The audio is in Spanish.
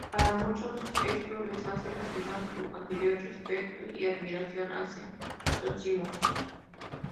Para muchos esto les hace cuestionar su anterior respeto y admiración hacia Zósimo.